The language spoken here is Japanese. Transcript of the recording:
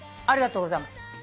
ありがとうございます。